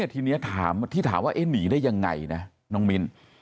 ที่ถามว่าหนีได้ยังไงนะน้องมิล